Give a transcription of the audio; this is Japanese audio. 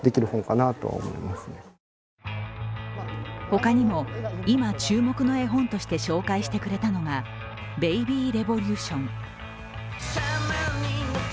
他にも、今、注目の絵本として紹介してくれたのが「ベイビーレボリューション」。